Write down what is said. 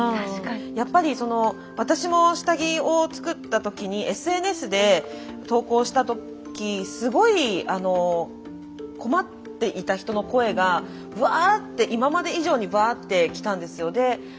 やっぱり私も下着を作った時にＳＮＳで投稿した時すごい困っていた人の声がぶわって今まで以上にぶわって来たんですよ。